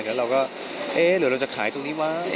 แล้วเราก็เอ๊ะหรือเราจะขายตรงนี้ไว้